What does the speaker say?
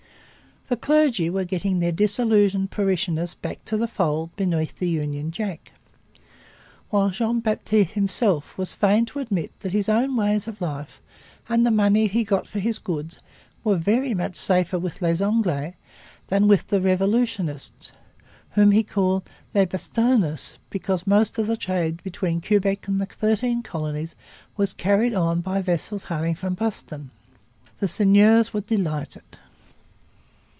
The clergy were getting their disillusioned parishioners back to the fold beneath the Union Jack; while Jean Ba'tis'e himself was fain to admit that his own ways of life and the money he got for his goods were very much safer with les Angla's than with the revolutionists, whom he called les Bastonna's because most trade between Quebec and the Thirteen Colonies was carried on by vessels hailing from the port of Boston. The seigneurs were delighted.